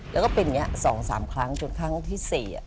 แล้วก็เป็นอย่างนี้๒๓ครั้งจนครั้งที่๔